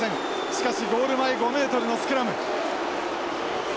しかしゴール前５メートルのスクラム。